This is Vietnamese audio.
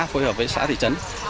phối hợp với xã thị trấn